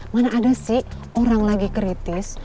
mana ada sih orang lagi kritis